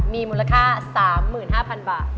มีมูลค่า๓๕๐๐๐บาท